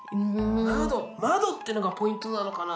窓窓ってのがポイントなのかな。